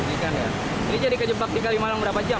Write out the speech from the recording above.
ini jadi kejebak di kalimalang berapa jam